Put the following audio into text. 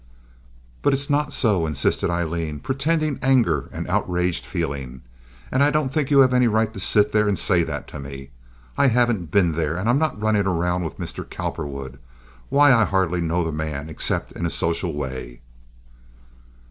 "But it's not so," insisted Aileen, pretending anger and outraged feeling, "and I don't think you have any right to sit there and say that to me. I haven't been there, and I'm not running around with Mr. Cowperwood. Why, I hardly know the man except in a social way."